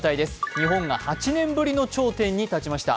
日本が８年ぶりの頂点に立ちました。